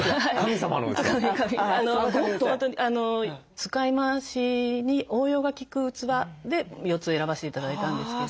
使い回しに応用が利く器で４つ選ばして頂いたんですけど。